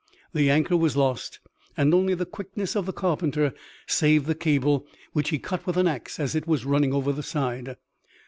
The anchor was lost and only the quickness of the carpenter saved the cable, which he cut with an ax as it was running over the side.